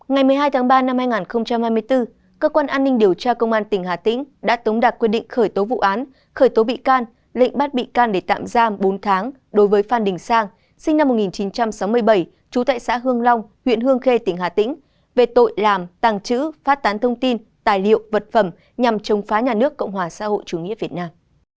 ngày một mươi hai tháng ba năm hai nghìn hai mươi bốn cơ quan an ninh điều tra công an tỉnh hà tĩnh đã tống đặt quyết định khởi tố vụ án khởi tố bị can lệnh bắt bị can để tạm giam bốn tháng đối với phan đình sang sinh năm một nghìn chín trăm sáu mươi bảy trú tại xã hương long huyện hương khê tỉnh hà tĩnh về tội làm tàng trữ phát tán thông tin tài liệu vật phẩm nhằm trông phá nhà nước cộng hòa xã hội chủ nghĩa việt nam